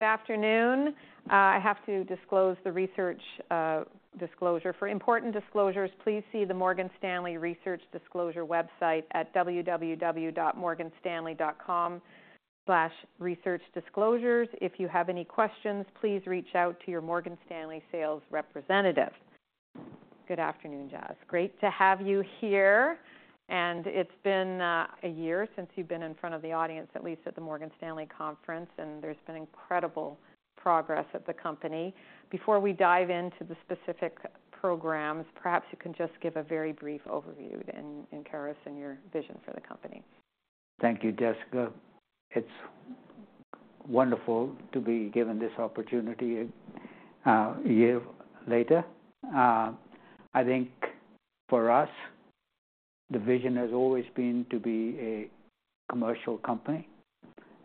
Good afternoon. I have to disclose the research disclosure. For important disclosures, please see the Morgan Stanley Research Disclosure website at www.morganstanley.com/researchdisclosures. If you have any questions, please reach out to your Morgan Stanley sales representative. Good afternoon, Jas. Great to have you here, and it's been a year since you've been in front of the audience, at least at the Morgan Stanley Conference, and there's been incredible progress at the company. Before we dive into the specific programs, perhaps you can just give a very brief overview in Keros and your vision for the company. Thank you, Jessica. It's wonderful to be given this opportunity, a year later. I think for us, the vision has always been to be a commercial company,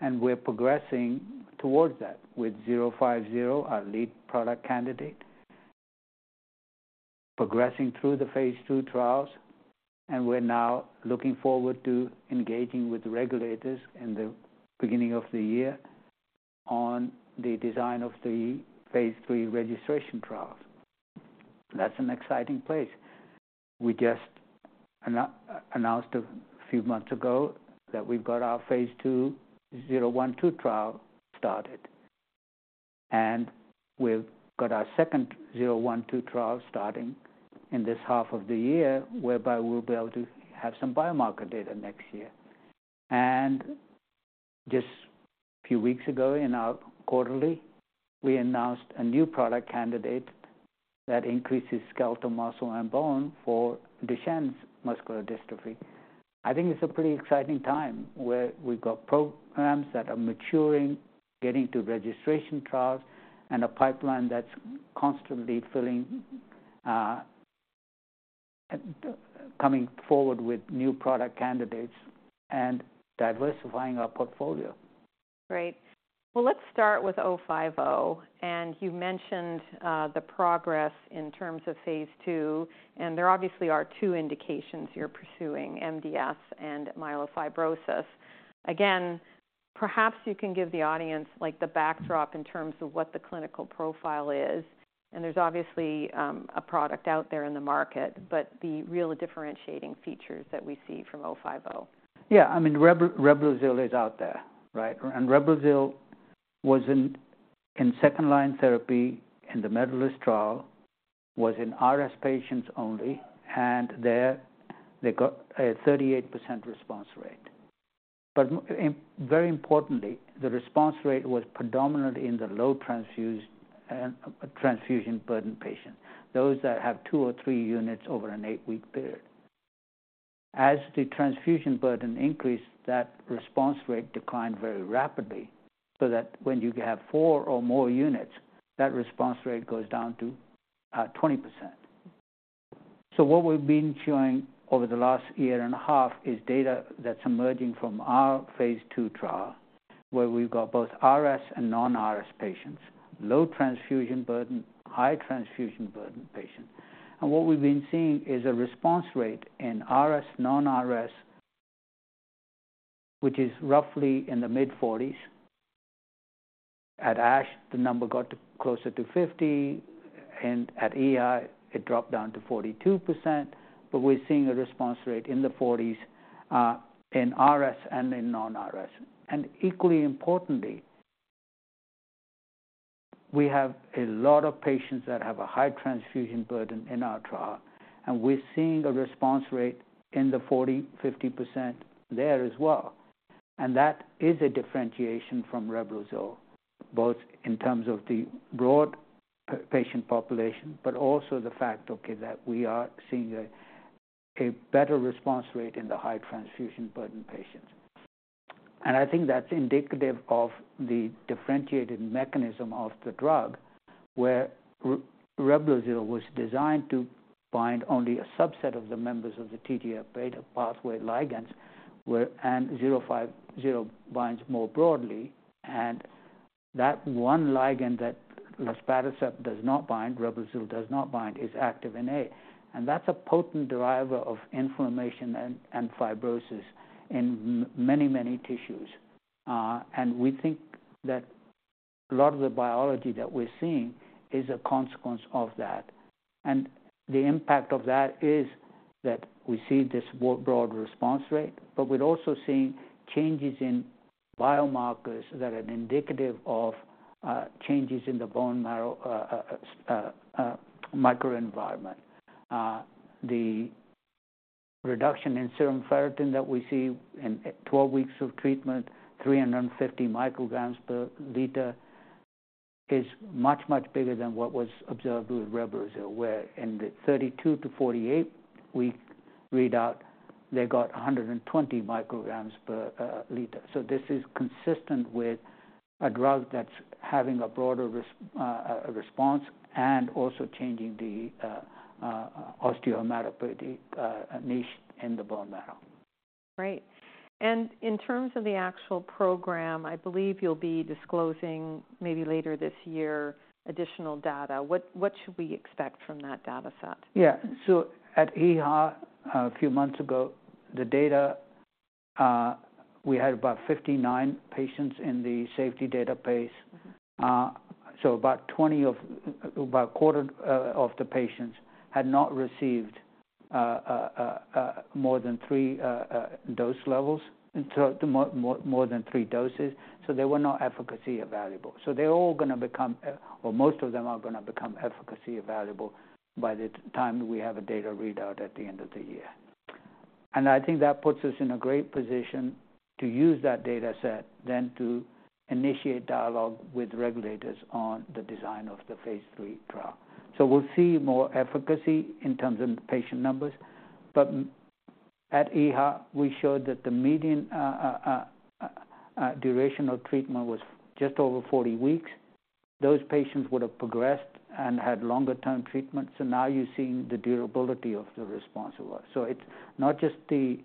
and we're progressing towards that with KER-050, our lead product candidate, progressing through the phase II trials, and we're now looking forward to engaging with the regulators in the beginning of the year on the design of the phase III registration trials. That's an exciting place. We just announced a few months ago that we've got our phase II-012 trial started, and we've got our second 012 trial starting in this half of the year, whereby we'll be able to have some biomarker data next year. And just a few weeks ago, in our quarterly, we announced a new product candidate that increases skeletal muscle and bone for Duchenne muscular dystrophy. I think it's a pretty exciting time, where we've got programs that are maturing, getting to registration trials, and a pipeline that's constantly filling, coming forward with new product candidates and diversifying our portfolio. Great. Well, let's start with KER-050. And you mentioned the progress in terms of phase II, and there obviously are two indications you're pursuing, MDS and myelofibrosis. Again, perhaps you can give the audience, like, the backdrop in terms of what the clinical profile is, and there's obviously a product out there in the market, but the really differentiating features that we see from KER-050. Yeah, I mean, Reblozyl is out there, right? And Reblozyl was in second-line therapy, and the MEDALIST trial was in RS patients only, and there they got a 38% response rate. But very importantly, the response rate was predominantly in the low transfusion burden patient, those that have two or three units over an eight-week period. As the transfusion burden increased, that response rate declined very rapidly, so that when you have four or more units, that response rate goes down to 20%. So what we've been showing over the last year and a half is data that's emerging from our phase II trial, where we've got both RS and non-RS patients, low transfusion burden, high transfusion burden patients. And what we've been seeing is a response rate in RS, non-RS, which is roughly in the mid-40s. At ASH, the number got closer to 50, and at EHA, it dropped down to 42%. But we're seeing a response rate in the 40s in RS and in non-RS. And equally importantly, we have a lot of patients that have a high transfusion burden in our trial, and we're seeing a response rate in the 40-50% there as well. And that is a differentiation from Reblozyl, both in terms of the broad patient population, but also the fact, okay, that we are seeing a better response rate in the high transfusion burden patients. And I think that's indicative of the differentiated mechanism of the drug, where Reblozyl was designed to bind only a subset of the members of the TGF-β pathway ligands, where... KER-050 binds more broadly, and that one ligand that luspatercept does not bind, Reblozyl does not bind, is activin A, and that's a potent driver of inflammation and fibrosis in many, many tissues. We think that a lot of the biology that we're seeing is a consequence of that. The impact of that is that we see this more broad response rate, but we're also seeing changes in biomarkers that are indicative of changes in the bone marrow microenvironment. The reduction in serum ferritin that we see in 12 weeks of treatment, 350 µg/L is much much bigger than what was observed with with Reblozyl where in 32-48 week readout they got 120 µg/L. So this is consistent with a drug that's having a broader response and also changing the osteometabolic niche in the bone marrow. Great. In terms of the actual program, I believe you'll be disclosing, maybe later this year, additional data. What, what should we expect from that data set? Yeah. So at EHA, a few months ago, we had about 59 patients in the safety database. So about 20 of, about a quarter, of the patients had not received more than three dose levels, so more than three doses, so they were not efficacy evaluable. So they're all gonna become, or most of them are gonna become efficacy evaluable by the time we have a data readout at the end of the year. And I think that puts us in a great position to use that data set, then to initiate dialogue with regulators on the design of the phase III trial. So we'll see more efficacy in terms of patient numbers, but at EHA, we showed that the median duration of treatment was just over 40 weeks. Those patients would have progressed and had longer-term treatment, so now you're seeing the durability of the response a lot. So it's not just the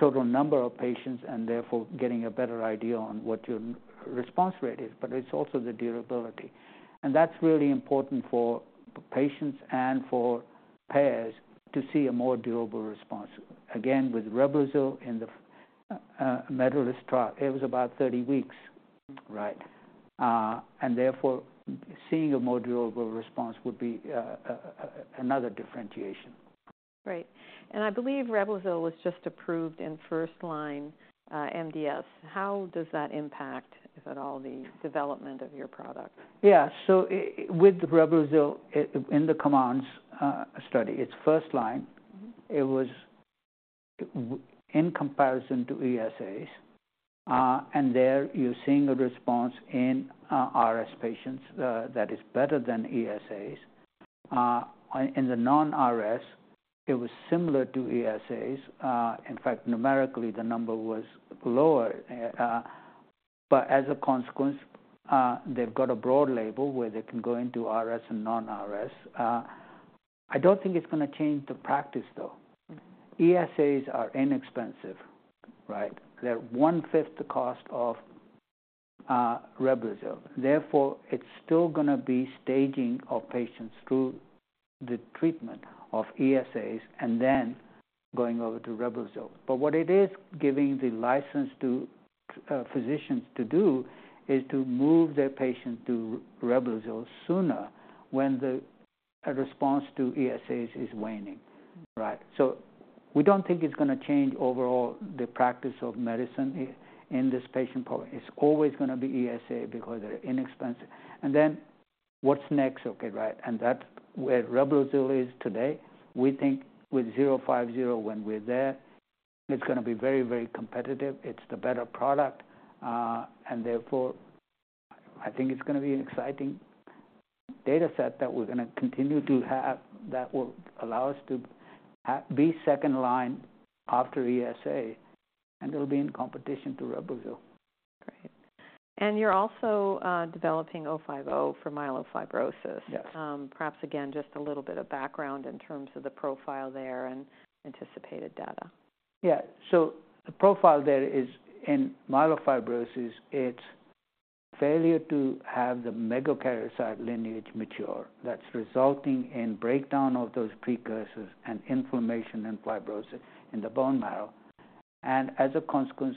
total number of patients and therefore getting a better idea on what your response rate is, but it's also the durability. And that's really important for patients and for payers to see a more durable response. Again, with Reblozyl in the MEDALIST trial, it was about 30 weeks, right? And therefore, seeing a more durable response would be another differentiation. Great. I believe Reblozyl was just approved in first-line MDS. How does that impact, if at all, the development of your product? Yeah. So with Reblozyl in the COMMANDS study, it's first line. It was in comparison to ESAs, and there you're seeing a response in RS patients that is better than ESAs. In the non-RS, it was similar to ESAs. In fact, numerically, the number was lower. But as a consequence, they've got a broad label where they can go into RS and non-RS. I don't think it's gonna change the practice, though. ESAs are inexpensive, right? They're 1/5 the cost of Reblozyl. Therefore, it's still gonna be staging of patients through the treatment of ESAs and then going over to Reblozyl. But what it is giving the license to physicians to do is to move their patient to Reblozyl sooner when a response to ESAs is waning, right. So we don't think it's gonna change overall the practice of medicine in, in this patient population. It's always gonna be ESA because they're inexpensive. And then what's next? Okay, right, and that where Reblozyl is today, we think with KER-050, when we're there, it's gonna be very, very competitive. It's the better product, and therefore, I think it's gonna be an exciting data set that we're gonna continue to have that will allow us to be second line after ESA, and it'll be in competition to Reblozyl. Great. And you're also developing KER-050 for myelofibrosis. Yes. Perhaps again, just a little bit of background in terms of the profile there and anticipated data. Yeah. So the profile there is in myelofibrosis; it's failure to have the megakaryocyte lineage mature. That's resulting in breakdown of those precursors and inflammation and fibrosis in the bone marrow. And as a consequence,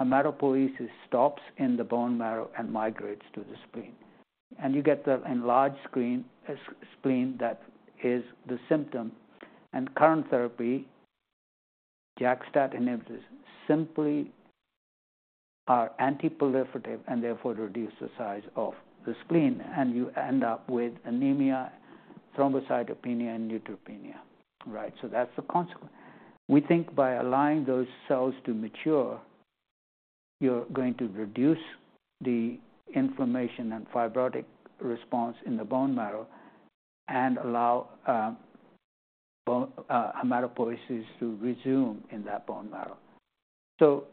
hematopoiesis stops in the bone marrow and migrates to the spleen, and you get the enlarged spleen that is the symptom. And current therapy, JAK-STAT inhibitors, simply are antiproliferative and therefore reduce the size of the spleen, and you end up with anemia, thrombocytopenia, and neutropenia, right? So that's the consequence. We think by allowing those cells to mature, you're going to reduce the inflammation and fibrotic response in the bone marrow and allow bone hematopoiesis to resume in that bone marrow. So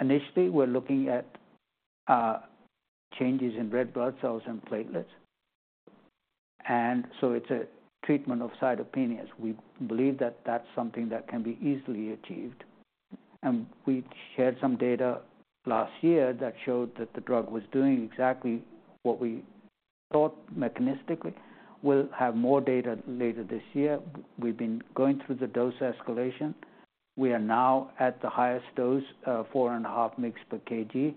initially, we're looking at changes in red blood cells and platelets, and so it's a treatment of cytopenias. We believe that that's something that can be easily achieved, and we shared some data last year that showed that the drug was doing exactly what we thought mechanistically. We'll have more data later this year. We've been going through the dose escalation. We are now at the highest dose, 4.5 mg per kg.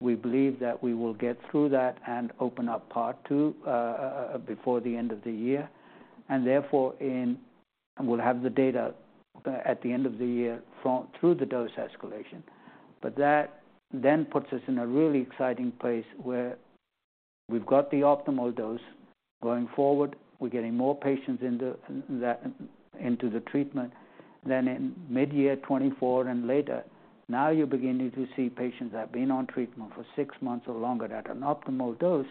We believe that we will get through that and open up part two before the end of the year, and therefore we'll have the data at the end of the year from through the dose escalation. But that then puts us in a really exciting place where we've got the optimal dose. Going forward, we're getting more patients into that, into the treatment. Then in mid-year 2024 and later, now you're beginning to see patients that have been on treatment for six months or longer at an optimal dose.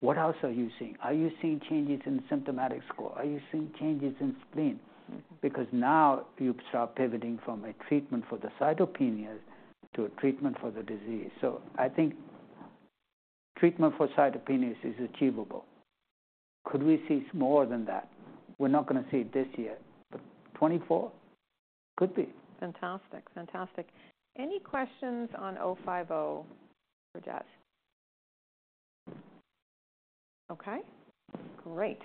What else are you seeing? Are you seeing changes in the symptomatic score? Are you seeing changes in spleen? Because now you start pivoting from a treatment for the cytopenias to a treatment for the disease. So I think treatment for cytopenias is achievable. Could we see more than that? We're not gonna see it this year, but 2024? Could be. Fantastic. Fantastic. Any questions on KER-050 for Jas?... Okay, great!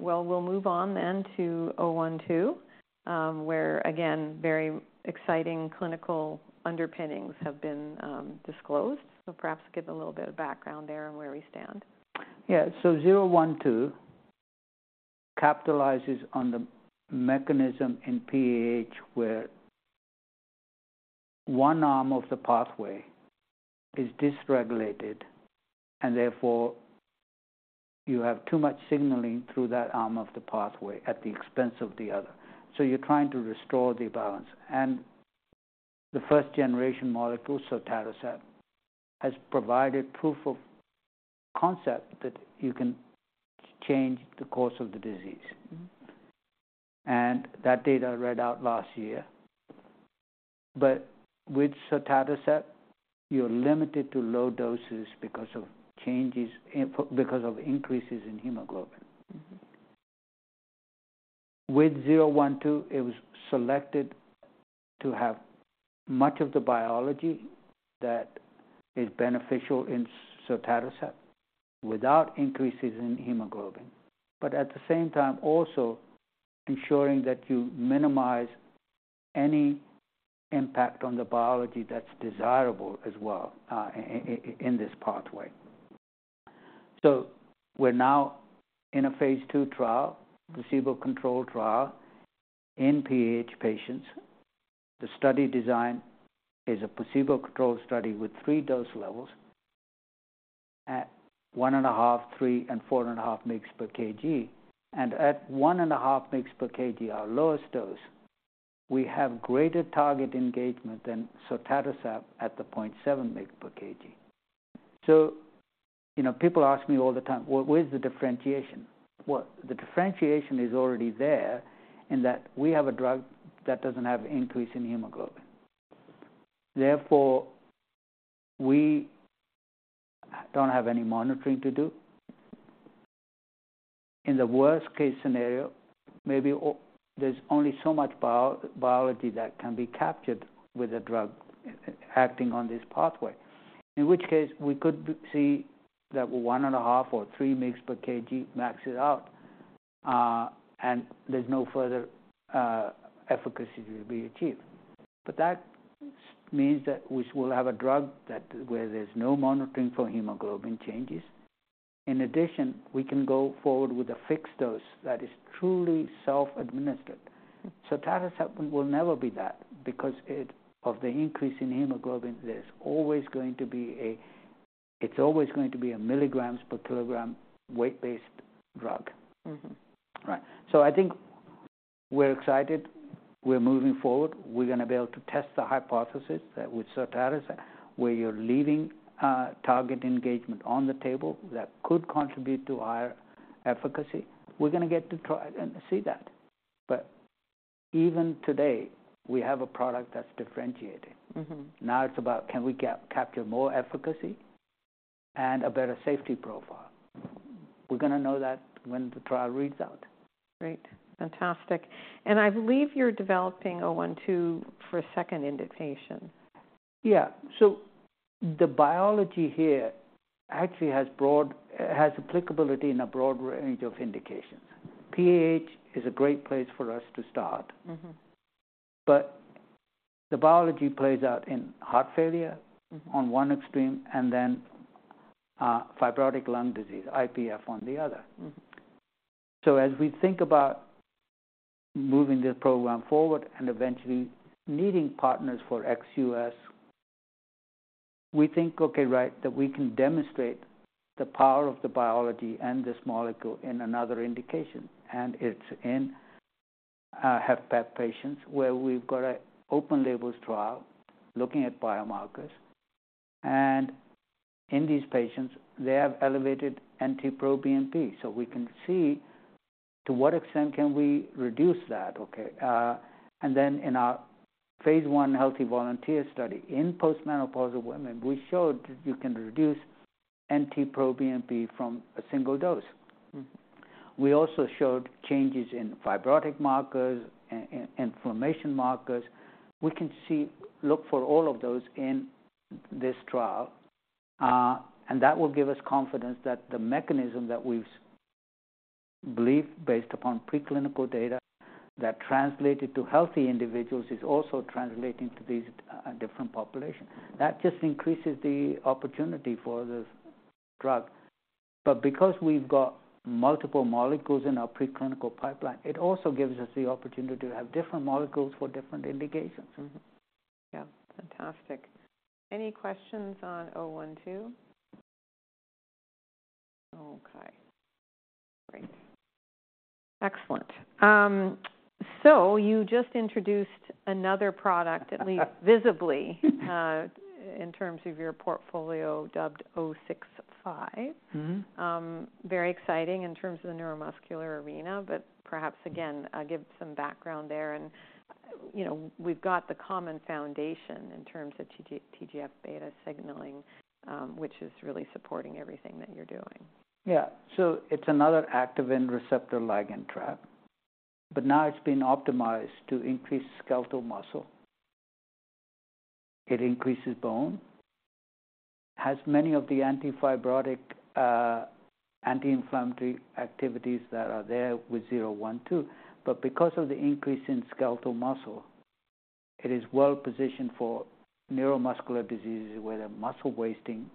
Well, we'll move on then to KER-012, where, again, very exciting clinical underpinnings have been disclosed. So perhaps give a little bit of background there and where we stand. Yeah. KER-012 capitalizes on the mechanism in PAH, where one arm of the pathway is dysregulated, and therefore, you have too much signaling through that arm of the pathway at the expense of the other. You're trying to restore the balance. The first-generation molecule, sotatercept, has provided proof of concept that you can change the course of the disease. Mm-hmm. That data read out last year. With sotatercept, you're limited to low doses because of increases in hemoglobin. Mm-hmm. With KER-012, it was selected to have much of the biology that is beneficial in sotatercept without increases in hemoglobin, but at the same time, also ensuring that you minimize any impact on the biology that's desirable as well, in this pathway. So we're now in a phase II trial, placebo-controlled trial in PAH patients. The study design is a placebo-controlled study with three dose levels at 1.5, 3, and 4.5 mg per kg. And at 1.5 mg per kg, our lowest dose, we have greater target engagement than sotatercept at the 0.7mg per kg So, you know, people ask me all the time, "Well, where's the differentiation?" Well, the differentiation is already there, in that we have a drug that doesn't have increase in hemoglobin. Therefore, we don't have any monitoring to do. In the worst-case scenario, maybe there's only so much biology that can be captured with a drug acting on this pathway. In which case, we could see that 1.5 or 3 mg per kg maxes it out, and there's no further efficacy to be achieved. But that means that we will have a drug that, where there's no monitoring for hemoglobin changes. In addition, we can go forward with a fixed dose that is truly self-administered. Sotatercept will never be that because it, of the increase in hemoglobin, there's always going to be a... It's always going to be a milligrams per kilogram weight-based drug. Mm-hmm. Right. So I think we're excited. We're moving forward. We're going to be able to test the hypothesis that with sotatercept, where you're leaving target engagement on the table, that could contribute to higher efficacy. We're going to get to try and see that. But even today, we have a product that's differentiated. Mm-hmm. Now it's about can we capture more efficacy and a better safety profile? We're going to know that when the trial reads out. Great. Fantastic. And I believe you're developing KER-012 for a second indication. Yeah. So the biology here actually has broad, has applicability in a broad range of indications. PAH is a great place for us to start. Mm-hmm. But the biology plays out in heart failure. Mm-hmm on one extreme, and then, fibrotic lung disease, IPF, on the other. Mm-hmm. So as we think about moving this program forward and eventually needing partners for ex-U.S., we think, okay, right, that we can demonstrate the power of the biology and this molecule in another indication, and it's in HFpEF patients, where we've got an open-label trial looking at biomarkers. And in these patients, they have elevated NT-proBNP. So we can see to what extent can we reduce that, okay. And then in our phase I healthy volunteer study in postmenopausal women, we showed that you can reduce NT-proBNP from a single dose. Mm-hmm. We also showed changes in fibrotic markers, in inflammation markers. We can look for all of those in this trial, and that will give us confidence that the mechanism that we've believed based upon preclinical data that translated to healthy individuals is also translating to these different populations. That just increases the opportunity for this drug. But because we've got multiple molecules in our preclinical pipeline, it also gives us the opportunity to have different molecules for different indications. Mm-hmm. Yeah, fantastic. Any questions on KER-012? Okay, great. Excellent. So you just introduced another product, at least visibly, in terms of your portfolio, dubbed KER-065. Mm-hmm. Very exciting in terms of the neuromuscular arena, but perhaps again, give some background there. You know, we've got the common foundation in terms of TGF-β signaling, which is really supporting everything that you're doing. Yeah. So it's another activin receptor ligand trap, but now it's been optimized to increase skeletal muscle. It increases bone, has many of the anti-fibrotic, anti-inflammatory activities that are there with KER-012. But because of the increase in skeletal muscle, it is well positioned for neuromuscular diseases, where the muscle wasting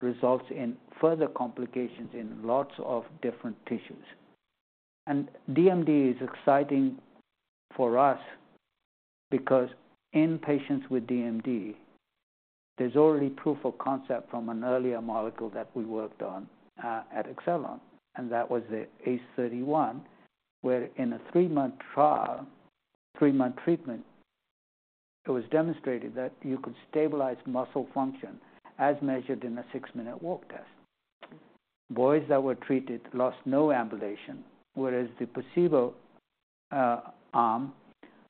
results in further complications in lots of different tissues. And DMD is exciting for us because in patients with DMD, there's already proof of concept from an earlier molecule that we worked on at Acceleron, and that was the ACE-031, where in a three-month trial, three-month treatment, it was demonstrated that you could stabilize muscle function as measured in a six-minute walk test. Boys that were treated lost no ambulation, whereas the placebo arm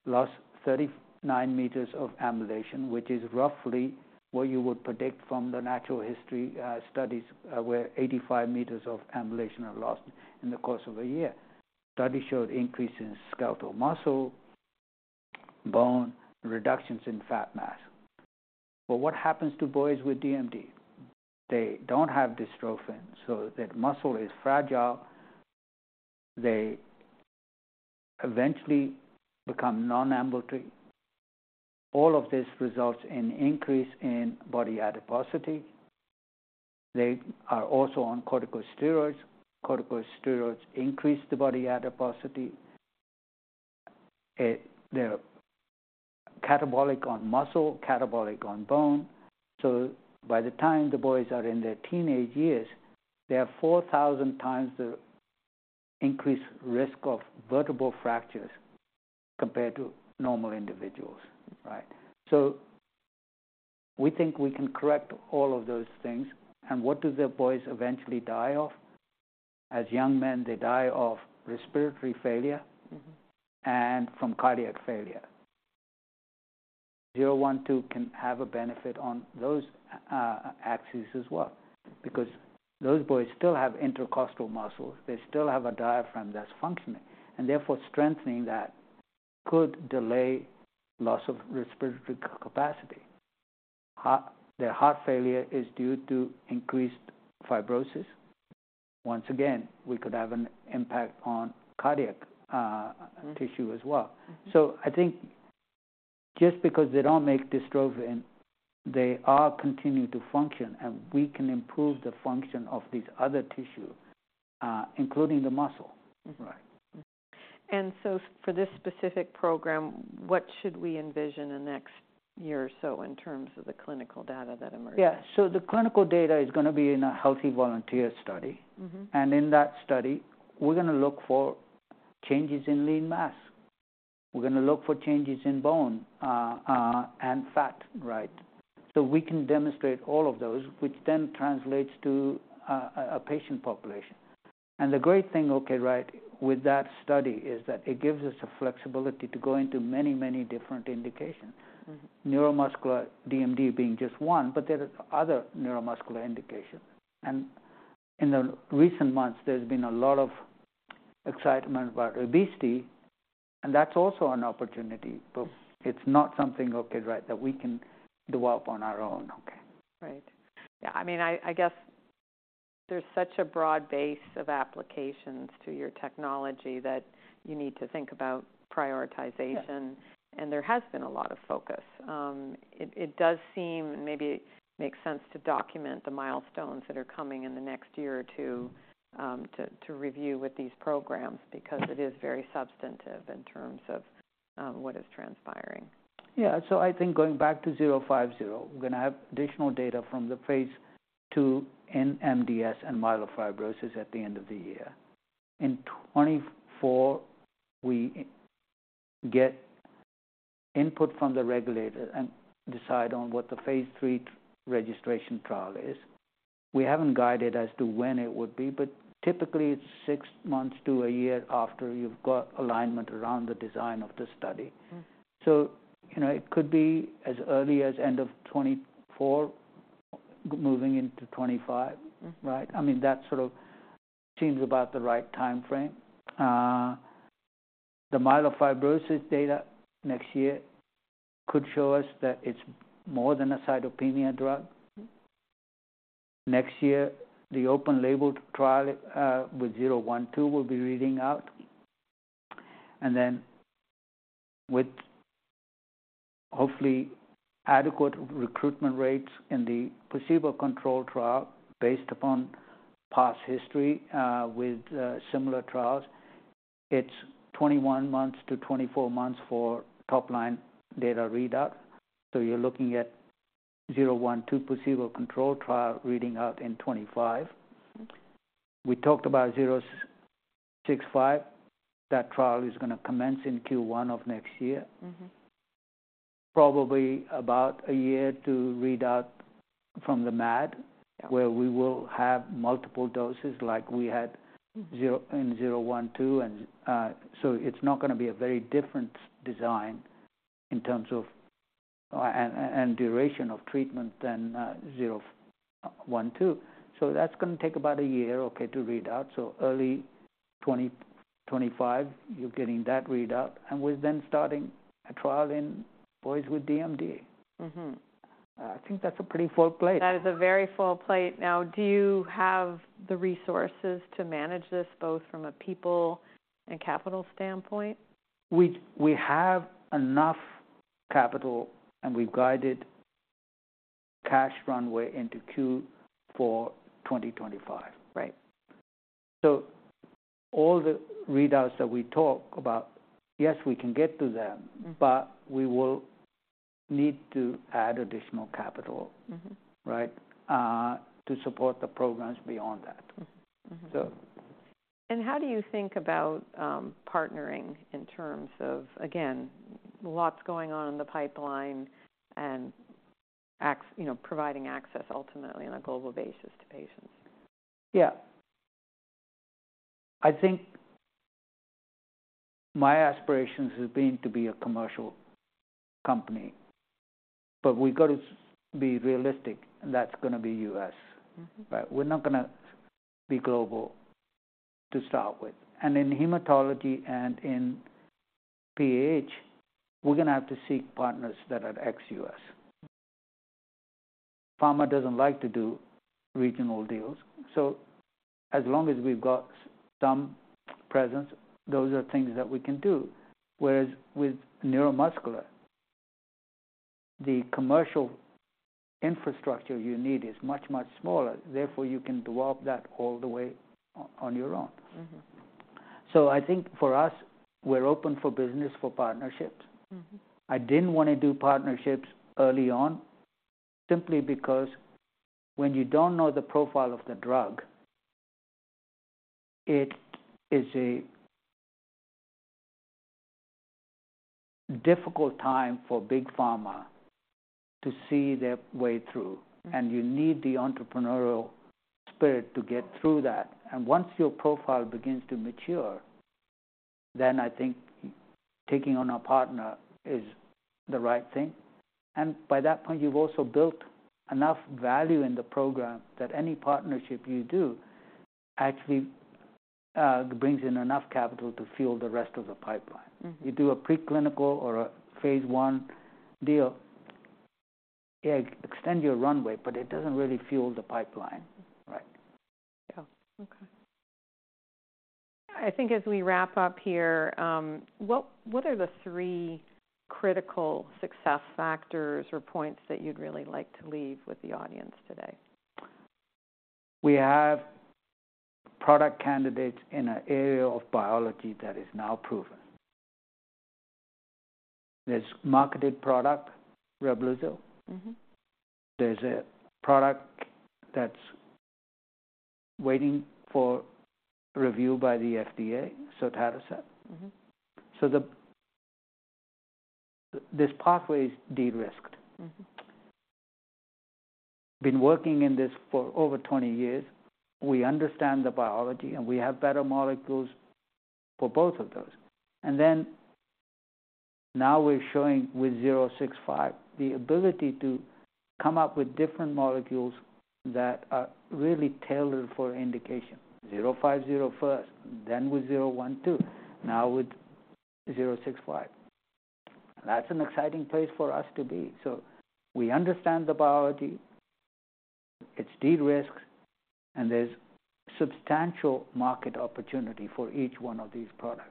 lost 39m of ambulation, which is roughly what you would predict from the natural history studies, where 85m of ambulation are lost in the course of a year. Study showed increase in skeletal muscle, bone, reductions in fat mass. But what happens to boys with DMD? They don't have dystrophin, so their muscle is fragile. They eventually become non-ambulatory. All of this results in increase in body adiposity. They are also on corticosteroids. Corticosteroids increase the body adiposity. They're catabolic on muscle, catabolic on bone. So by the time the boys are in their teenage years, they are 4,000x the increased risk of vertebral fractures compared to normal individuals, right? So we think we can correct all of those things. And what do the boys eventually die of? As young men, they die of respiratory failure. Mm-hmm. and from cardiac failure. KER-012 can have a benefit on those axes as well, because those boys still have intercostal muscles. They still have a diaphragm that's functioning, and therefore strengthening that could delay loss of respiratory capacity. Their heart failure is due to increased fibrosis. Once again, we could have an impact on cardiac Mm-hmm. tissue as well. Mm-hmm. So I think just because they don't make dystrophin, they are continuing to function, and we can improve the function of these other tissue, including the muscle. Mm-hmm. Right. Mm-hmm. So for this specific program, what should we envision in the next year or so in terms of the clinical data that emerges? Yeah. So the clinical data is going to be in a healthy volunteer study. Mm-hmm. And in that study, we're going to look for changes in lean mass. We're going to look for changes in bone, and fat, right? So we can demonstrate all of those, which then translates to a patient population. And the great thing, okay, right, with that study is that it gives us the flexibility to go into many, many different indications. Mm-hmm. Neuromuscular DMD being just one, but there are other neuromuscular indications. In the recent months, there's been a lot of excitement about obesity, and that's also an opportunity, but it's not something, okay, right, that we can develop on our own. Okay. Right. Yeah, I mean, I, I guess there's such a broad base of applications to your technology that you need to think about prioritization. Yeah. There has been a lot of focus. It does seem, maybe it makes sense to document the milestones that are coming in the next year or two, to review with these programs, because it is very substantive in terms of what is transpiring. Yeah. So I think going back to KER-050, we're going to have additional data from the phase II in MDS and myelofibrosis at the end of the year. In 2024, we get input from the regulator and decide on what the phase III registration trial is. We haven't guided as to when it would be, but typically it's six months to a year after you've got alignment around the design of the study. Mm-hmm. You know, it could be as early as end of 2024, moving into 2025. Mm-hmm. Right? I mean, that sort of seems about the right timeframe. The myelofibrosis data next year could show us that it's more than a cytopenia drug. Next year, the open-label trial with KER-012 will be reading out. And then with hopefully adequate recruitment rates in the placebo-controlled trial, based upon past history with similar trials, it's 21months-24 months for top-line data readout. So you're looking at KER-012 placebo-controlled trial reading out in 2025. Mm-hmm. We talked about KER-065. That trial is going to commence in Q1 of next year. Mm-hmm. Probably about a year to read out from the MAD- Yeah... where we will have multiple doses like we had in KER-012. And, so it's not going to be a very different design in terms of and duration of treatment than KER-012. So that's gonna take about a year, okay, to read out. So early 2025, you're getting that readout, and we're then starting a trial in boys with DMD. Mm-hmm. I think that's a pretty full plate. That is a very full plate. Now, do you have the resources to manage this, both from a people and capital standpoint? We have enough capital, and we've guided cash runway into Q4 2025. Right. All the readouts that we talk about, yes, we can get to them- Mm. But we will need to add additional capital. Mm-hmm. Right? To support the programs beyond that. Mm-hmm. So. How do you think about partnering in terms of, again, lots going on in the pipeline and, you know, providing access ultimately on a global basis to patients? Yeah. I think my aspirations has been to be a commercial company, but we've got to be realistic, and that's gonna be U.S., right? We're not gonna be global to start with. And in hematology and in PH, we're gonna have to seek partners that are ex-U.S. Pharma doesn't like to do regional deals, so as long as we've got some presence, those are things that we can do. Whereas with neuromuscular, the commercial infrastructure you need is much, much smaller, therefore, you can develop that all the way on your own. Mm-hmm. So I think for us, we're open for business, for partnerships. Mm-hmm. I didn't want to do partnerships early on, simply because when you don't know the profile of the drug, it is a difficult time for biopharma to see their way through, and you need the entrepreneurial spirit to get through that. And once your profile begins to mature, then I think taking on a partner is the right thing. And by that point, you've also built enough value in the program that any partnership you do actually brings in enough capital to fuel the rest of the pipeline. Mm. You do a preclinical or a phase I deal, yeah, extend your runway, but it doesn't really fuel the pipeline. Mm-hmm. Right. Yeah. Okay. I think as we wrap up here, what are the three critical success factors or points that you'd really like to leave with the audience today? We have product candidates in an area of biology that is now proven. There's marketed product, Reblozyl. Mm-hmm. There's a product that's waiting for review by the FDA, sotatercept. Mm-hmm. So, this pathway is de-risked. Mm-hmm. Been working in this for over 20 years. We understand the biology, and we have better molecules for both of those. And then, now we're showing with KER-065, the ability to come up with different molecules that are really tailored for indication. KER-050 first, then with KER-012, now with KER-065. That's an exciting place for us to be. So we understand the biology, it's de-risked, and there's substantial market opportunity for each one of these products.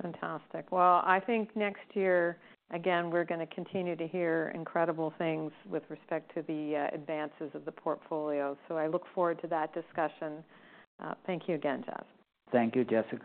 Fantastic. Well, I think next year, again, we're gonna continue to hear incredible things with respect to the advances of the portfolio, so I look forward to that discussion. Thank you again, Jas. Thank you, Jessica.